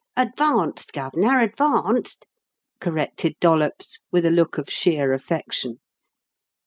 "Advanced, Gov'nor, advanced," corrected Dollops, with a look of sheer affection.